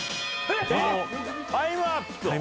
タイムアップ！